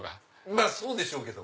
まぁそうでしょうけど。